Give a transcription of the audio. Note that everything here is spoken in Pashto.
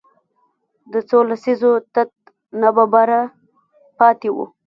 د څو لسیزو تت ناباوره پاتې وو